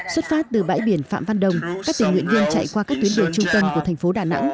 xuất phát từ bãi biển phạm văn đồng các tình nguyện viên chạy qua các tuyến đường trung tâm của thành phố đà nẵng